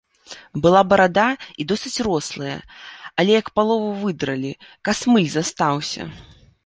Была барада, і досыць рослая, але як палову выдралі, касмыль застаўся.